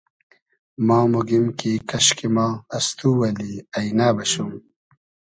ما موگیم کی کئشکی ما از تو اللی اݷنۂ بئشوم